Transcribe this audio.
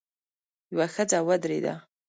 يوه ښځه ودرېده.